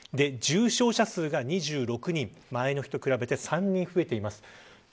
重症者数が２６人前の日と比べて３人増えています。